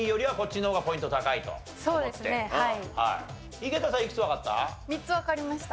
井桁さんいくつわかった？